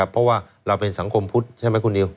เพราะว่าเราเป็นสังคมพุทธใช่ไหมคุณนิว